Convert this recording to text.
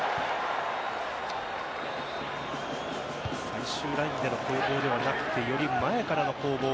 最終ラインでの攻防ではなくより前からの攻防。